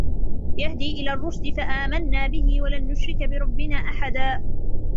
يهدي إلى الرشد فآمنا به ولن نشرك بربنا أحدا